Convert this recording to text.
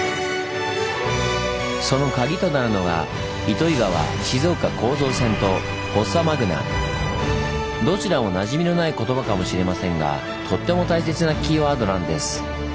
そのカギとなるのがどちらもなじみのない言葉かもしれませんがとっても大切なキーワードなんです。